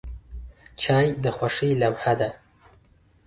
چای د خوښۍ لمحه ده.